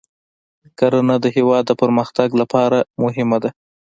کرنه د هیواد د پرمختګ لپاره مهمه ده.